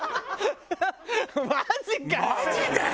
マジかよ！